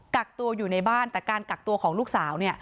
กักตัวอยู่ในบ้านแต่การกักตัวของลูกสาว